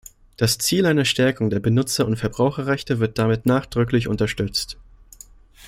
Das Ziel einer Stärkung der Benutzer- und Verbraucherrechte wird damit nachdrücklich unterstützt.